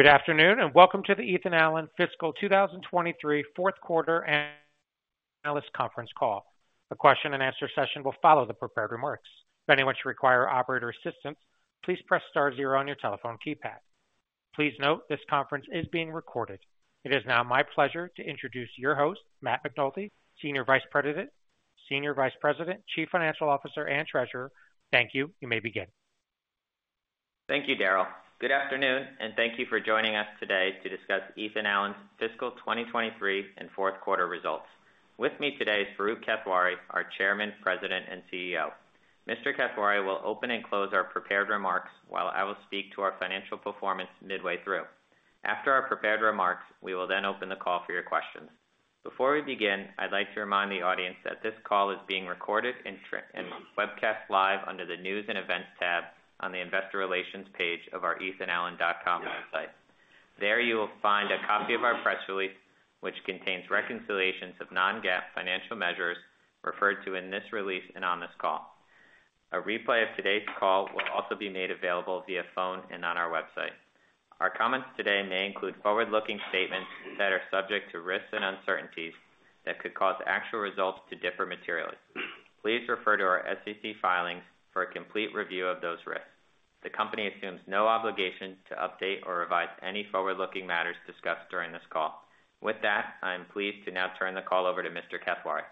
Good afternoon, welcome to the Ethan Allen Fiscal 2023 Fourth Quarter and Analyst Conference Call. A question and answer session will follow the prepared remarks. If anyone should require operator assistance, please press star zero on your telephone keypad. Please note that this conference is being recorded. It is now my pleasure to introduce your host, Matt McNulty, Senior Vice President, Chief Financial Officer, and Treasurer. Thank you. You may begin. Thank you, Daryl. Good afternoon, and thank you for joining us today to discuss Ethan Allen's Fiscal 2023 and Fourth Quarter Results. With me today is Farooq Kathwari, our Chairman, President, and CEO. Mr. Kathwari will open and close our prepared remarks, while I will speak to our financial performance midway through. After our prepared remarks, we will then open the call for your questions. Before we begin, I'd like to remind the audience that this call is being recorded and webcast live under the News and Events tab on the Investor Relations page of our ethanallen.com website. There, you will find a copy of our press release, which contains reconciliations of non-GAAP financial measures referred to in this release and on this call. A replay of today's call will also be made available via phone and on our website. Our comments today may include forward-looking statements that are subject to risks and uncertainties that could cause actual results to differ materially. Please refer to our SEC filings for a complete review of those risks. The company assumes no obligation to update or revise any forward-looking matters discussed during this call. With that, I am pleased to now turn the call over to Mr. Kathwari.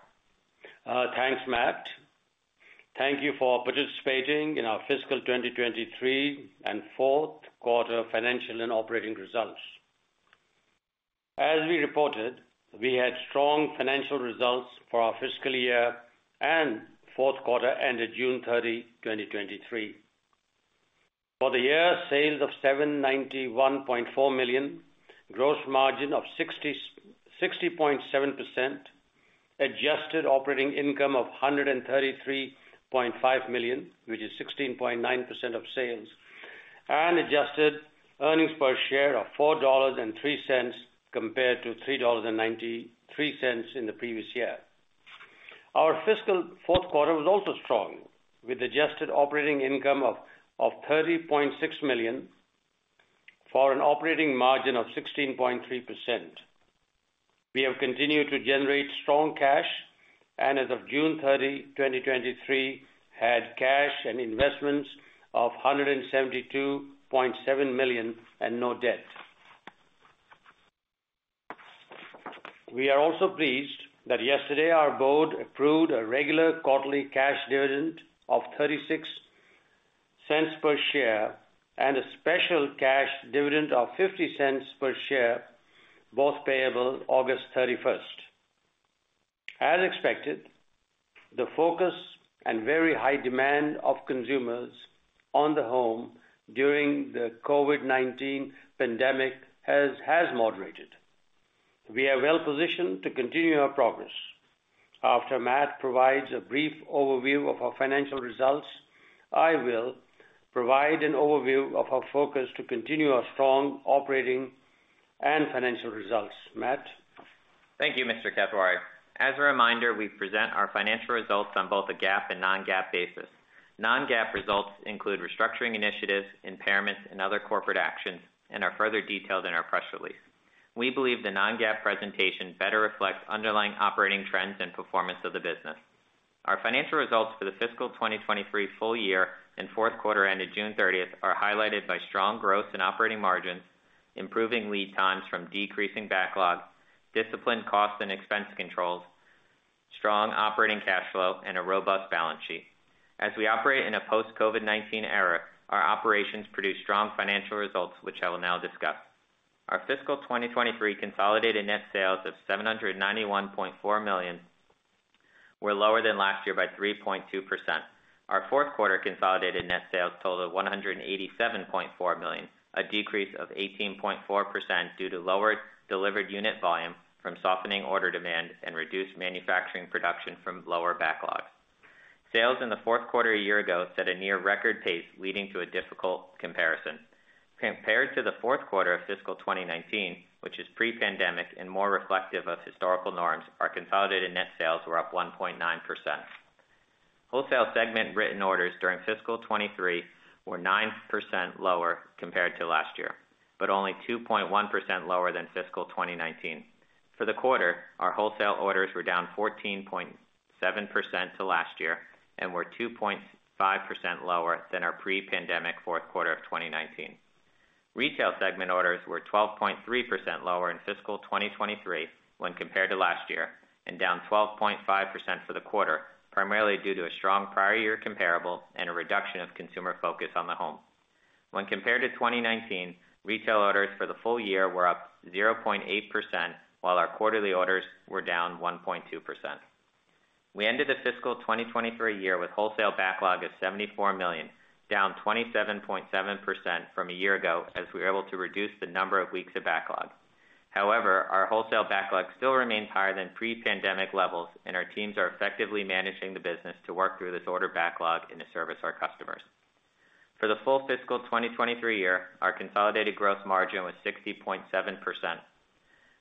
Thanks, Matt. Thank you for participating in our Fiscal 2023 and Fourth Quarter Financial and Operating Results. As we reported, we had strong financial results for our fiscal year and fourth quarter, ended June 30, 2023. For the year, sales of $791.4 million, gross margin of 60.7%, adjusted operating income of $133.5 million, which is 16.9% of sales, and adjusted earnings per share of $4.03, compared to $3.93 in the previous year. Our fiscal fourth quarter was also strong, with adjusted operating income of $30.6 million, for an operating margin of 16.3%. We have continued to generate strong cash, and as of June 30, 2023, had cash and investments of $172.7 million and no debt. We are also pleased that yesterday our board approved a regular quarterly cash dividend of $0.36 per share and a special cash dividend of $0.50 per share, both payable August 31st. As expected, the focus and very high demand of consumers on the home during the COVID-19 pandemic has moderated. We are well positioned to continue our progress. After Matt provides a brief overview of our financial results, I will provide an overview of our focus to continue our strong operating and financial results. Matt? Thank you, Mr. Kathwari. As a reminder, we present our financial results on both a GAAP and non-GAAP basis. Non-GAAP results include restructuring initiatives, impairments, and other corporate actions and are further detailed in our press release. We believe the non-GAAP presentation better reflects underlying operating trends and performance of the business. Our financial results for the fiscal 2023 full year and fourth quarter, ended June 30, are highlighted by strong growth in operating margins, improving lead times from decreasing backlogs, disciplined cost and expense controls, strong operating cash flow, and a robust balance sheet. As we operate in a post-COVID-19 era, our operations produce strong financial results, which I will now discuss. Our fiscal 2023 consolidated net sales of $791.4 million were lower than last year by 3.2%. Our fourth quarter consolidated net sales totaled $187.4 million, a decrease of 18.4% due to lower delivered unit volume from softening order demand and reduced manufacturing production from lower backlogs. Sales in the fourth quarter a year ago set a near record pace, leading to a difficult comparison. Compared to the fourth quarter of fiscal 2019, which is pre-pandemic and more reflective of historical norms, our consolidated net sales were up 1.9%. Wholesale segment written orders during fiscal 2023 were 9% lower compared to last year, but only 2.1% lower than fiscal 2019. For the quarter, our wholesale orders were down 14.7% to last year and were 2.5% lower than our pre-pandemic fourth quarter of 2019. Retail segment orders were 12.3% lower in fiscal 2023 when compared to last year, and down 12.5% for the quarter, primarily due to a strong prior year comparable and a reduction of consumer focus on the home. When compared to 2019, retail orders for the full year were up 0.8%, while our quarterly orders were down 1.2%. We ended the fiscal 2023 year with wholesale backlog of $74 million, down 27.7% from a year ago, as we were able to reduce the number of weeks of backlog. However, our wholesale backlog still remains higher than pre-pandemic levels, and our teams are effectively managing the business to work through this order backlog and to service our customers. For the full fiscal 2023 year, our consolidated gross margin was 60.7%.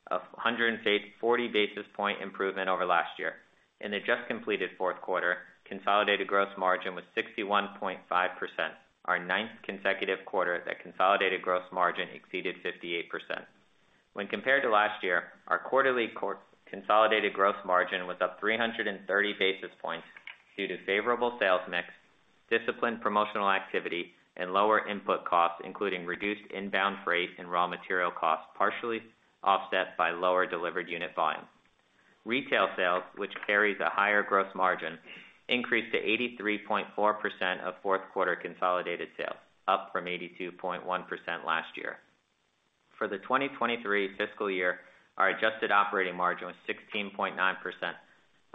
106, 40 basis point improvement over last year. In the just completed fourth quarter, consolidated gross margin was 61.5%, our ninth consecutive quarter that consolidated gross margin exceeded 58%. When compared to last year, our quarterly consolidated gross margin was up 330 basis points due to favorable sales mix, disciplined promotional activity, and lower input costs, including reduced inbound freight and raw material costs, partially offset by lower delivered unit volume. Retail sales, which carries a higher gross margin, increased to 83.4% of fourth quarter consolidated sales, up from 82.1% last year. For the 2023 fiscal year, our adjusted operating margin was 16.9%,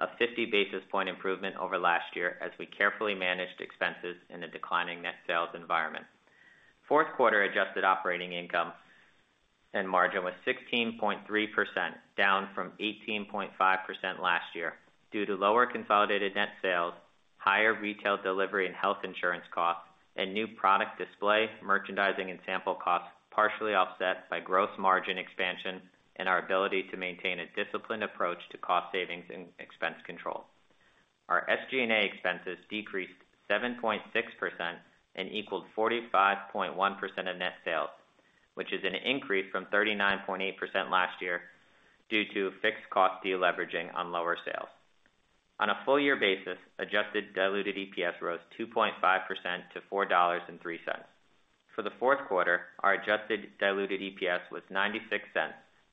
a 50 basis point improvement over last year as we carefully managed expenses in a declining net sales environment. Fourth quarter adjusted operating income and margin was 16.3%, down from 18.5% last year due to lower consolidated net sales, higher retail delivery and health insurance costs, and new product display, merchandising and sample costs, partially offset by gross margin expansion and our ability to maintain a disciplined approach to cost savings and expense control. Our SG&A expenses decreased 7.6% and equaled 45.1% of net sales, which is an increase from 39.8% last year, due to fixed cost deleveraging on lower sales. On a full year basis, adjusted diluted EPS rose 2.5% to $4.03. For the fourth quarter, our adjusted diluted EPS was $0.96,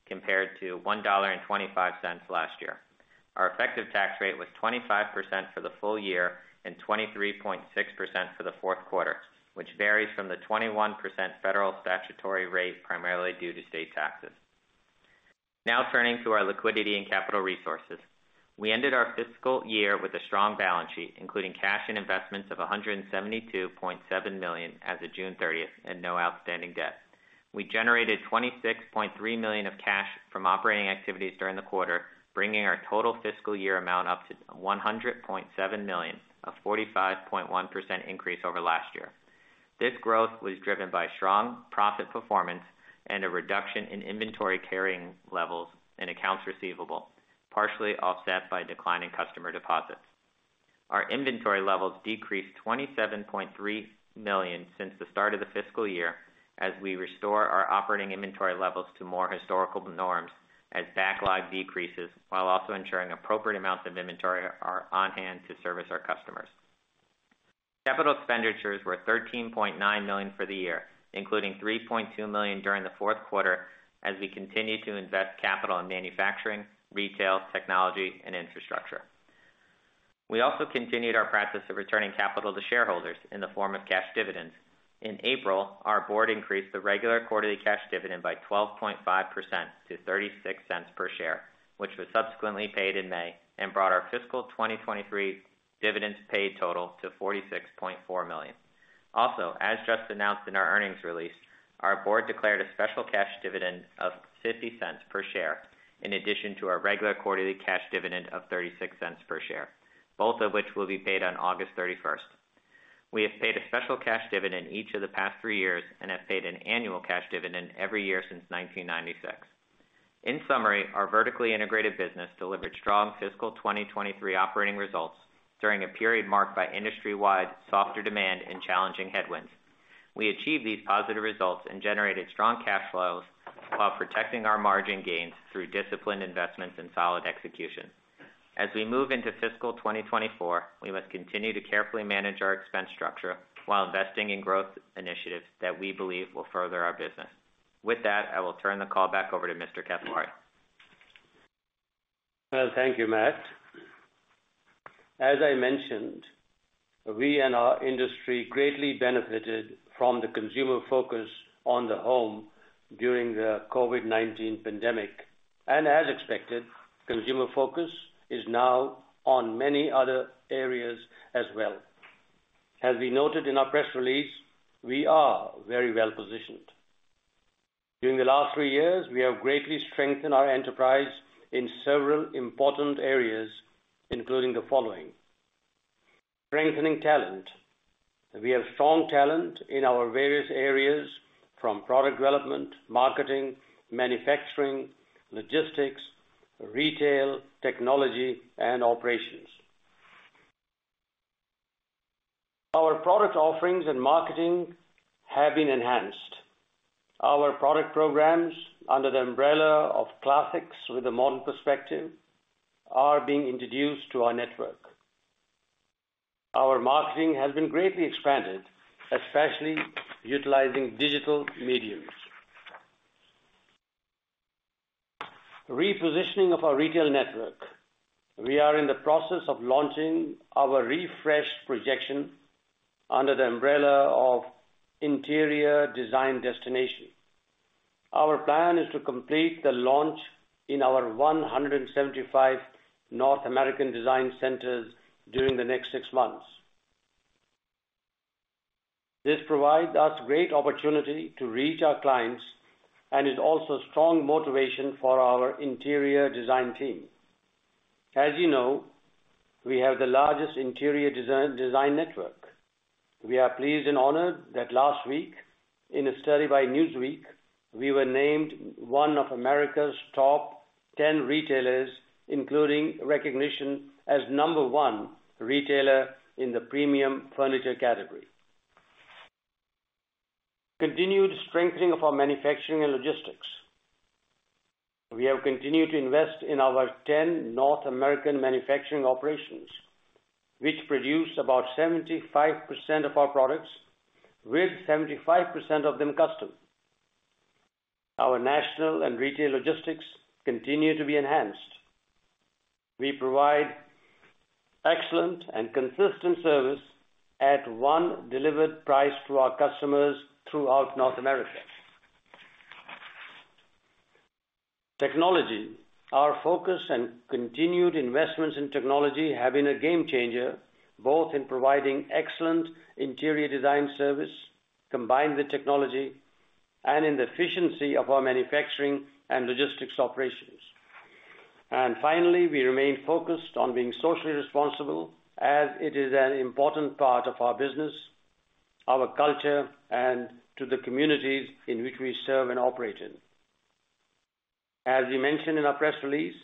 compared to $1.25 last year. Our effective tax rate was 25% for the full year, and 23.6% for the fourth quarter, which varies from the 21% federal statutory rate, primarily due to state taxes. Turning to our liquidity and capital resources. We ended our fiscal year with a strong balance sheet, including cash and investments of $172.7 million as of June 30th, and no outstanding debt. We generated $26.3 million of cash from operating activities during the quarter, bringing our total fiscal year amount up to $100.7 million, a 45.1% increase over last year. This growth was driven by strong profit performance and a reduction in inventory carrying levels and accounts receivable, partially offset by a decline in customer deposits. Our inventory levels decreased $27.3 million since the start of the fiscal year, as we restore our operating inventory levels to more historical norms as backlog decreases, while also ensuring appropriate amounts of inventory are on hand to service our customers. Capital expenditures were $13.9 million for the year, including $3.2 million during the fourth quarter, as we continued to invest capital in manufacturing, retail, technology, and infrastructure. We also continued our practice of returning capital to shareholders in the form of cash dividends. In April, our board increased the regular quarterly cash dividend by 12.5% to $0.36 per share, which was subsequently paid in May, and brought our fiscal 2023 dividends paid total to $46.4 million. As just announced in our earnings release, our board declared a special cash dividend of $0.50 per share, in addition to our regular quarterly cash dividend of $0.36 per share, both of which will be paid on August 31st. We have paid a special cash dividend each of the past three years, and have paid an annual cash dividend every year since 1996. In summary, our vertically integrated business delivered strong fiscal 2023 operating results during a period marked by industry-wide softer demand and challenging headwinds. We achieved these positive results and generated strong cash flows while protecting our margin gains through disciplined investments and solid execution. As we move into fiscal 2024, we must continue to carefully manage our expense structure while investing in growth initiatives that we believe will further our business. With that, I will turn the call back over to Mr. Kathwari. Well, thank you, Matt. As I mentioned, we and our industry greatly benefited from the consumer focus on the home during the COVID-19 pandemic, and as expected, consumer focus is now on many other areas as well. As we noted in our press release, we are very well-positioned. During the last three years, we have greatly strengthened our enterprise in several important areas, including the following: strengthening talent. We have strong talent in our various areas, from product development, marketing, manufacturing, logistics, retail, technology, and operations. Our product offerings and marketing have been enhanced. Our product programs, under the umbrella of classics with a modern perspective, are being introduced to our network. Our marketing has been greatly expanded, especially utilizing digital mediums. Repositioning of our retail network. We are in the process of launching our refreshed projection under the umbrella of interior design destination. Our plan is to complete the launch in our 175 North American design centers during the next 6 months. This provides us great opportunity to reach our clients, is also strong motivation for our interior design team. As you know, we have the largest interior design, design network. We are pleased and honored that last week, in a study by Newsweek, we were named one of America's top 10 retailers, including recognition as number 1 retailer in the premium furniture category. Continued strengthening of our manufacturing and logistics. We have continued to invest in our 10 North American manufacturing operations, which produce about 75% of our products, with 75% of them custom. Our national and retail logistics continue to be enhanced. We provide excellent and consistent service at one delivered price to our customers throughout North America. Technology. Our focus and continued investments in technology have been a game-changer, both in providing excellent interior design service, combined with technology and in the efficiency of our manufacturing and logistics operations. Finally, we remain focused on being socially responsible as it is an important part of our business, our culture, and to the communities in which we serve and operate in. As we mentioned in our press release,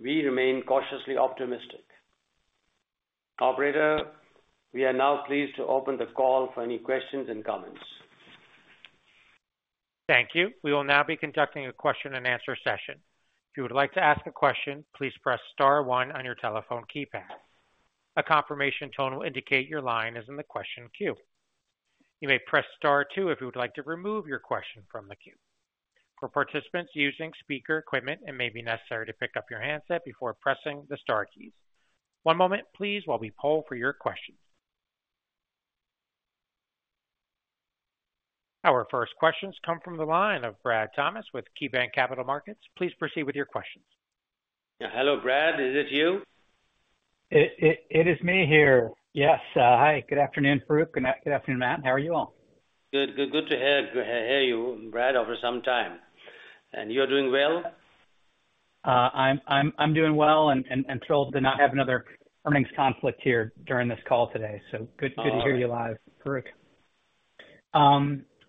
we remain cautiously optimistic. Operator, we are now pleased to open the call for any questions and comments. Thank you. We will now be conducting a question-and-answer session. If you would like to ask a question, please press star one on your telephone keypad. A confirmation tone will indicate your line is in the question queue. You may press star two if you would like to remove your question from the queue. For participants using speaker equipment, it may be necessary to pick up your handset before pressing the star keys. One moment please, while we poll for your questions. Our first questions come from the line of Brad Thomas with KeyBanc Capital Markets. Please proceed with your questions. Hello, Brad, is it you? It is me here. Yes. Hi, good afternoon, Farooq. Good afternoon, Matt. How are you all? Good, good to hear Brad, after some time. You're doing well? I'm doing well and thrilled to not have another earnings conflict here during this call today. Good to hear you live, Farooq.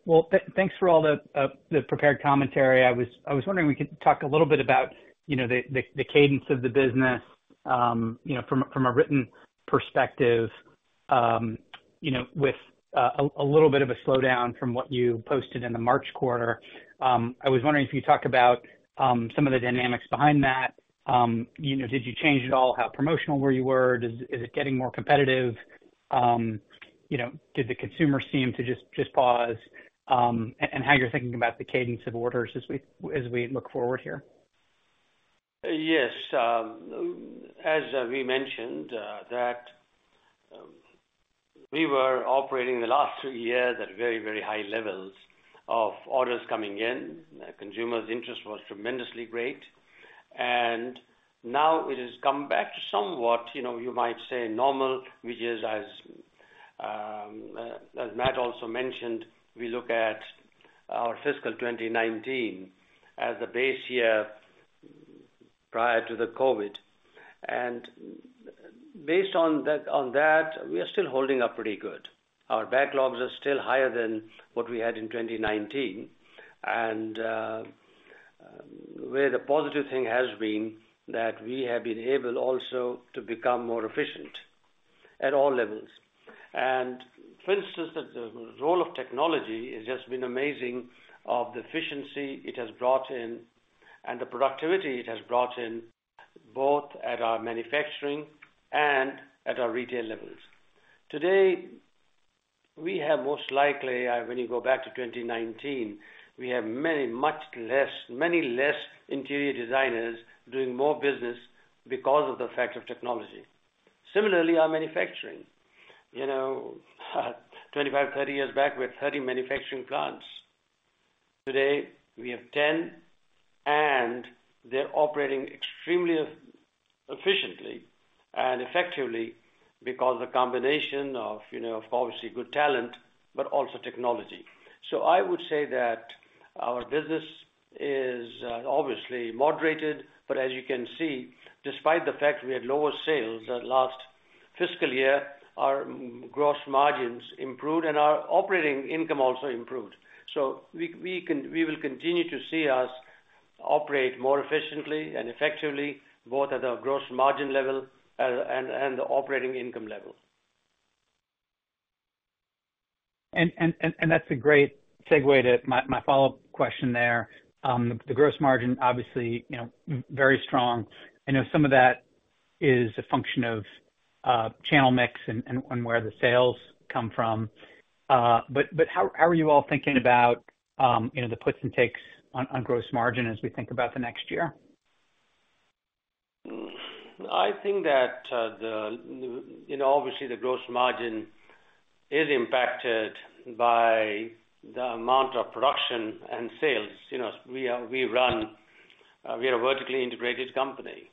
Well, thanks for all the prepared commentary. I was wondering if we could talk a little bit about the cadence of the business from a written perspective with a little bit of a slowdown from what you posted in the March quarter. I was wondering if you could talk about some of the dynamics behind that. You know, did you change it all? How promotional were you were? Is it getting more competitive? You know, did the consumer seem to just, just pause, and how you're thinking about the cadence of orders as we, as we look forward here? Yes, as we mentioned, that we were operating the last 2 years at very, very high levels of orders coming in. Consumers' interest was tremendously great, and now it has come back to somewhat, you know, you might say, normal, which is as Matt also mentioned, we look at our fiscal 2019 as a base year prior to the COVID-19. Based on that, we are still holding up pretty good. Our backlogs are still higher than what we had in 2019, and where the positive thing has been that we have been able also to become more efficient at all levels. For instance, the role of technology has just been amazing of the efficiency it has brought in and the productivity it has brought in, both at our manufacturing and at our retail levels. Today, we have most likely, when you go back to 2019, we have many, much less, many less interior designers doing more business because of the effect of technology. Similarly, our manufacturing 25, 30 years back, we had 30 manufacturing plants. Today, we have 10, and they're operating extremely efficiently and effectively because the combination of obviously good talent, but also technology. I would say that our business is obviously moderated, but as you can see, despite the fact we had lower sales at last fiscal year, our gross margins improved and our operating income also improved. We will continue to see us operate more efficiently and effectively, both at our gross margin level and the operating income level. That's a great segue to my, my follow-up question there. The gross margin, obviously, you know, very strong. I know some of that is a function of channel mix and on where the sales come from. How are you all thinking about, you know, the puts and takes on gross margin as we think about the next year? I think that, You know, obviously, the gross margin is impacted by the amount of production and sales. You know, we are, we run, we are a vertically integrated company.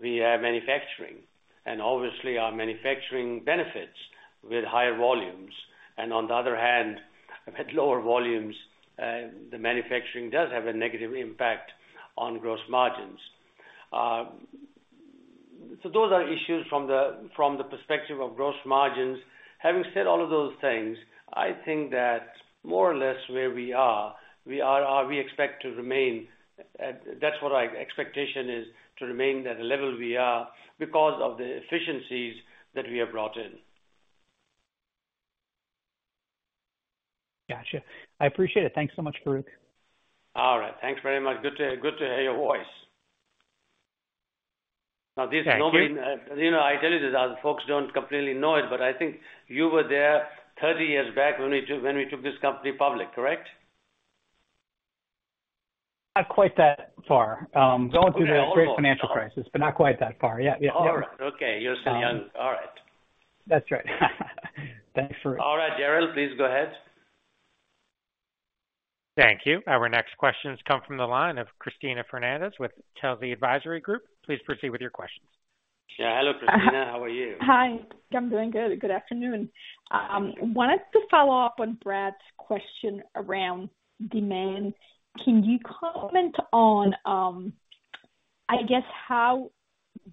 We have manufacturing. Obviously, our manufacturing benefits with higher volumes. On the other hand, at lower volumes, the manufacturing does have a negative impact on gross margins. Those are issues from the, from the perspective of gross margins. Having said all of those things, I think that more or less where we are, we are, we expect to remain. That's what our expectation is, to remain at the level we are because of the efficiencies that we have brought in. Gotcha. I appreciate it. Thanks so much, Farooq. All right. Thanks very much. Good to hear your voice. Now, this is normally, I tell you this, our folks don't completely know it, but I think you were there 30 years back when we took, when we took this company public, correct? Not quite that far. Going through the great financial crisis, but not quite that far. All right. Okay. You're still young. All right. That's right. Thanks, Farooq. All right, Gerald, please go ahead. Thank you. Our next questions come from the line of Cristina Fernandez with Telsey Advisory Group. Please proceed with your questions. Yeah. Hello, Cristina. How are you? Hi, I'm doing good. Good afternoon. Wanted to follow up on Brad's question around demand. Can you comment on, I guess, how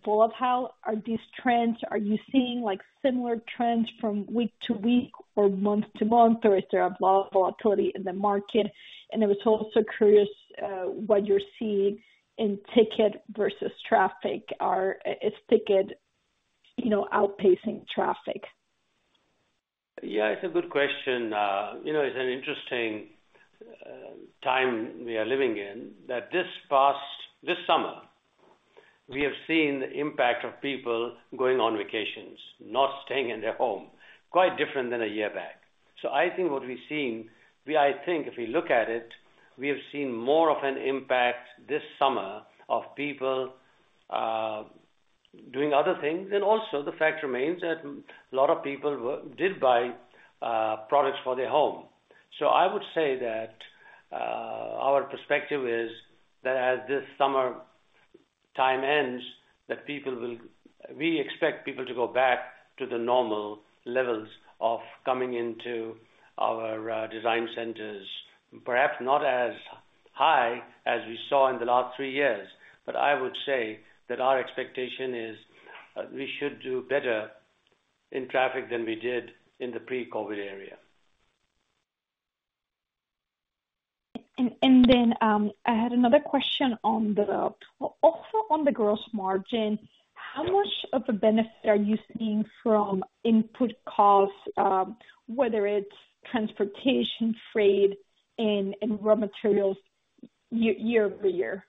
volatile are these trends? Are you seeing, like, similar trends from week to week or month to month, or is there a lot of volatility in the market? I was also curious what you're seeing in ticket versus traffic. Is ticket, you know, outpacing traffic? Yeah, it's a good question. You know, it's an interesting time we are living in, that this summer, we have seen the impact of people going on vacations, not staying in their home. Quite different than 1 year back. I think what we've seen, I think if we look at it, we have seen more of an impact this summer of people doing other things. Also the fact remains that a lot of people did buy products for their home. I would say that our perspective is that as this summer time ends, that people will. We expect people to go back to the normal levels of coming into our design centers, perhaps not as high as we saw in the last 3 years. I would say that our expectation is, we should do better in traffic than we did in the pre-COVID area. And then, I had another question on the, also on the gross margin. How much of a benefit are you seeing from input costs, whether it's transportation, freight, and raw materials year over year?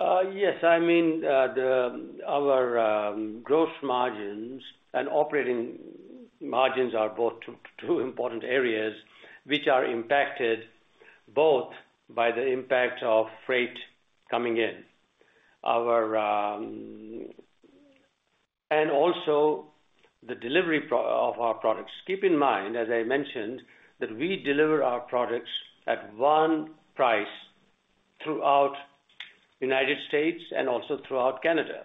Yes, I mean, the, our gross margins and operating margins are both two important areas that are impacted both by the impact of freight coming in. Our... Also the delivery of our products. Keep in mind, as I mentioned, that we deliver our products at one price throughout United States and also throughout Canada.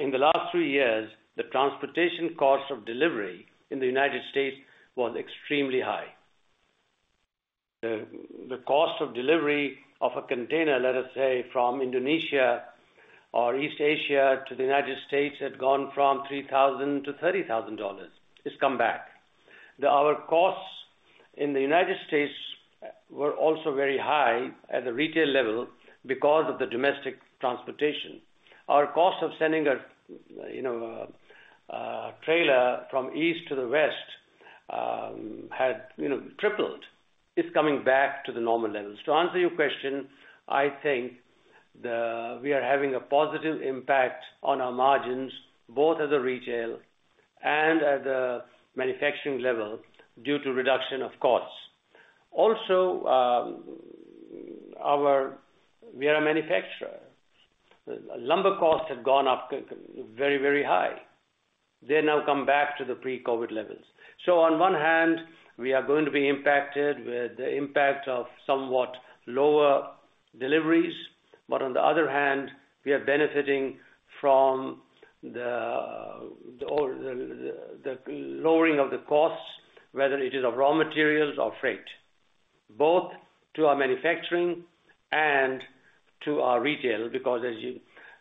In the last three years, the transportation cost of delivery in the United States was extremely high. The cost of delivery of a container, let us say, from Indonesia or East Asia to the United States, had gone from $3,000 to $30,000. It's come back. Our costs in the United States were also very high at the retail level because of the domestic transportation. Our cost of sending a trailer from east to the west, had tripled. It's coming back to the normal levels. To answer your question, I think we are having a positive impact on our margins, both at the retail and at the manufacturing level, due to the reduction of costs. Also, we are a manufacturer. Lumber costs have gone up very, very high. They now come back to the pre-COVID levels. On one hand, we are going to be impacted with the impact of somewhat lower deliveries, but on the other hand, we are benefiting from the lowering of the costs, whether it is of raw materials or freight, both to our manufacturing and to our retail, because as you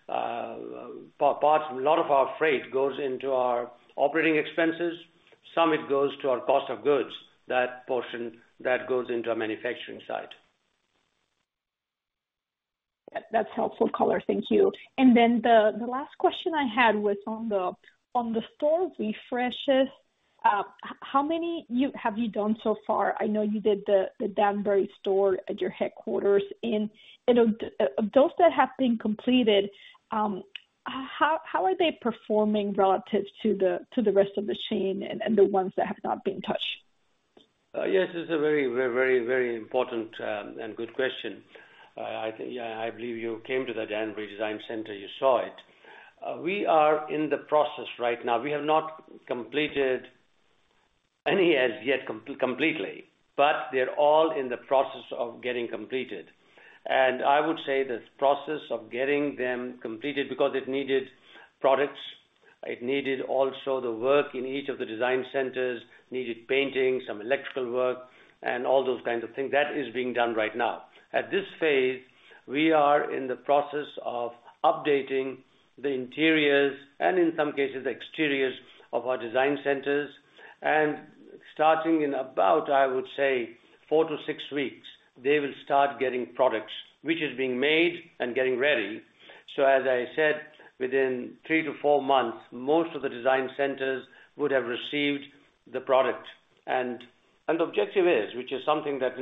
parts, a lot of our freight goes into our operating expenses. Some of it goes to our cost of goods, that portion that goes into our manufacturing side. That's helpful color. Thank you. Then the last question I had was on the store refreshes. How many have you done so far? I know you did the Danbury store at your headquarters. And, of those that have been completed, how are they performing relative to the rest of the chain and the ones that have not been touched? Yes, it's a very important and good question. I think, yeah, I believe you came to the Danbury Design Center, you saw it. We are in the process right now. We have not completed any as yet completely, but they're all in the process of getting completed. I would say the process of getting them completed, because it needed products, it needed also the work in each of the design centers, needed painting, some electrical work, and all those kinds of things, that is being done right now. At this phase, we are in the process of updating the interiors, and in some cases, the exteriors of our design centers. Starting in about, I would say, four to six weeks, they will start getting products, which is being made and getting ready. As I said, within 3-4 months, most of the design centers would have received the product. The objective is, which is something that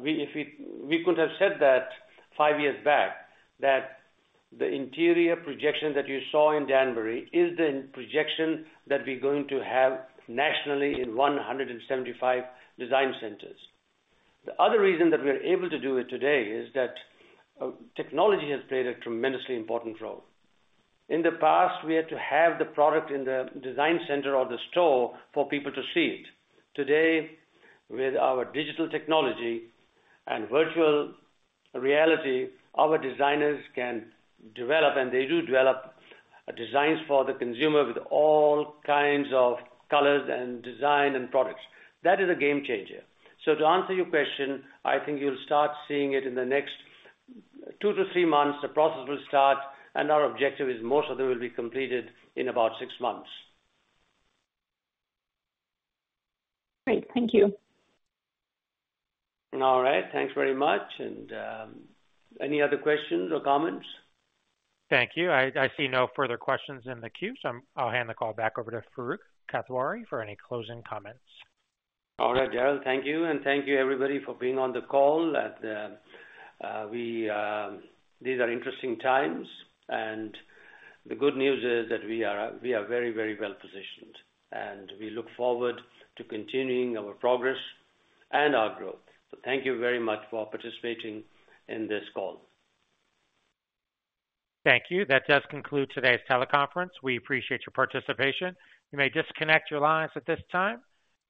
we could have said that five years back, that the interior projection that you saw in Danbury is the projection that we're going to have nationally in 175 design centers. The other reason that we're able to do it today is that technology has played a tremendously important role. In the past, we had to have the product in the design center or the store for people to see it. Today, with our digital technology and virtual reality, our designers can develop, and they do develop designs for the consumer with all kinds of colors and design and products. That is a game-changer. To answer your question, I think you'll start seeing it in the next two to three months, the process will start, and our objective is most of them will be completed in about six months. Great, thank you. All right, thanks very much. Any other questions or comments? Thank you. I see no further questions in the queue, so I'll hand the call back over to Farooq Kathwari for any closing comments. All right, Gerald, thank you, and thank you everybody for being on the call. These are interesting times, and the good news is that we are very well-positioned, and we look forward to continuing our progress and our growth. Thank you very much for participating in this call. Thank you. That does conclude today's teleconference. We appreciate your participation. You may disconnect your lines at this time.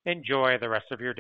Enjoy the rest of your day.